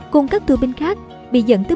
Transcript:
cùng các tù binh khác bị dẫn tới